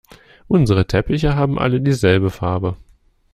Unsere Teppiche haben alle dieselbe Farbe.